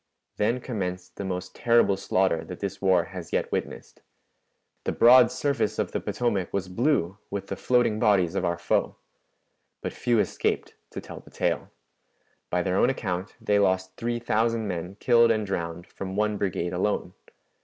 Then commenced the most terrible slaughter that this war has yet witnessed. The broad surface of the Potomac was blue with the floating bodies of our foe. But few escaped to tell the tale. By their own account, they lost three thousand men killed and drowned from one brigade alone.